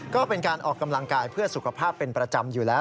ก็เป็นการออกกำลังกายเพื่อสุขภาพเป็นประจำอยู่แล้ว